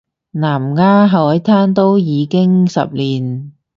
南丫海難都已經十年